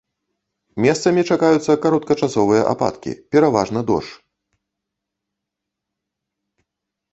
Месцамі чакаюцца кароткачасовыя ападкі, пераважна дождж.